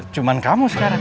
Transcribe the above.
cuman kamu sekarang